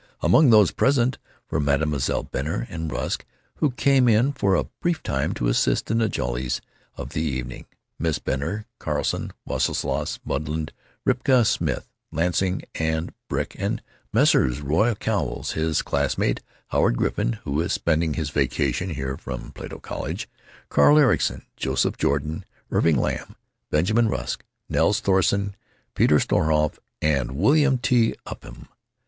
Among those present were Mesdames Benner and Rusk, who came in for a brief time to assist in the jollities of the evening, Misses Benner, Carson, Wesselius, Madlund, Ripka, Smith, Lansing, and Brick; and Messrs. Ray Cowles, his classmate Howard Griffin, who is spending his vacation here from Plato College, Carl Ericson, Joseph Jordan, Irving Lamb, Benjamin Rusk, Nels Thorsten, Peter Schoenhof, and William T. Upham.